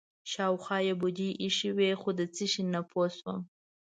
شاوخوا یې بوجۍ ایښې وې خو د څه شي نه پوه شوم.